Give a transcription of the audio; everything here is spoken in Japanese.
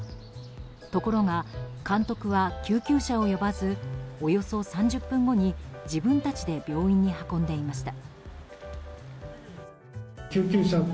ところが監督は救急車を呼ばずおよそ３０分後に、自分たちで病院に運んでいました。